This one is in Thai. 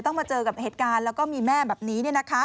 มาเจอกับเหตุการณ์แล้วก็มีแม่แบบนี้